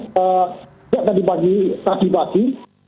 sejak tadi pagi tadi pagi